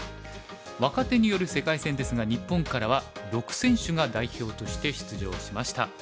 若手による世界戦ですが日本からは６選手が代表として出場しました。